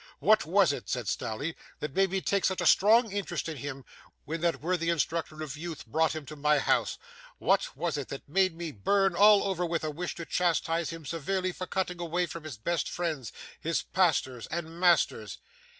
'What was it,' said Snawley, 'that made me take such a strong interest in him, when that worthy instructor of youth brought him to my house? What was it that made me burn all over with a wish to chastise him severely for cutting away from his best friends, his pastors and masters?